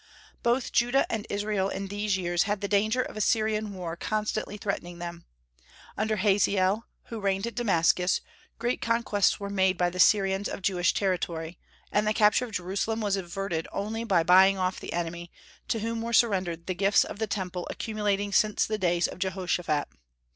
Both Judah and Israel in these years had the danger of a Syrian war constantly threatening them. Under Hazael, who reigned at Damascus, great conquests were made by the Syrians of Jewish territory, and the capture of Jerusalem was averted only by buying off the enemy, to whom were surrendered the gifts to the Temple accumulating since the days of Jehoshaphat.